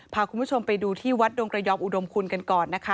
พาคุณผู้ชมไปดูที่วัดดงกระยอมอุดมคุณกันก่อนนะคะ